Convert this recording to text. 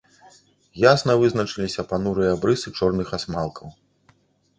Ясна вызначыліся панурыя абрысы чорных асмалкаў.